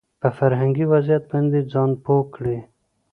په فرهنګي وضعيت باندې ځان پوه کړي